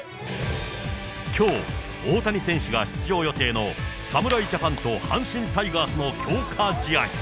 きょう大谷選手が出場予定の侍ジャパンと阪神タイガースの強化試合。